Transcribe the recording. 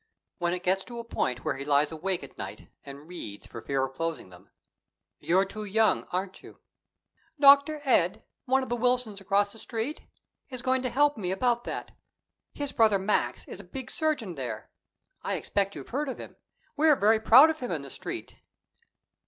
When it gets to a point where he lies awake at night and reads, for fear of closing them "You're too young, aren't you?" "Dr. Ed one of the Wilsons across the Street is going to help me about that. His brother Max is a big surgeon there. I expect you've heard of him. We're very proud of him in the Street."